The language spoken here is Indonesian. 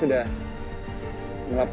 mereka juga mengontrak elsa